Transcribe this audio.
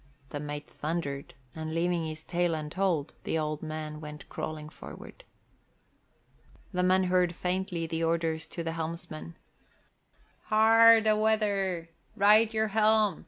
the mate thundered, and leaving his tale untold, the old man went crawling forward. The men heard faintly the orders to the helmsman, "Hard a weather! Right your helm!